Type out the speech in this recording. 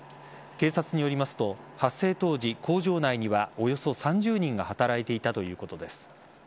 警察によりますと発生当時工場内にはおよそ３０人が働いていたということです。